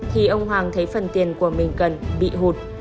thì ông hoàng thấy phần tiền của mình cần bị hụt